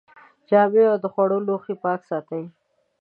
جامې او د خوړو لوښي پاک ساتئ.